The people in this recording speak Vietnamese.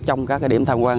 trong các cái điểm tham quan